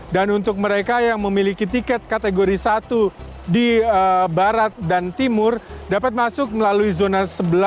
dan untuk mereka yang memiliki tiket kategori satu di barat dan timur dapat masuk melalui zona sebelas